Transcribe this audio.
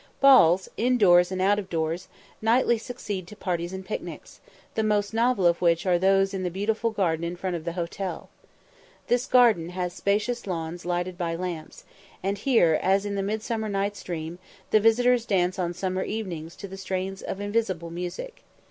Balls, in doors and out of doors, nightly succeed to parties and picnics; the most novel of which are those in the beautiful garden in front of the hotel. This garden has spacious lawns lighted by lamps; and here, as in the 'Midsummer Night's Dream,' the visitors dance on summer evenings to the strains of invisible music.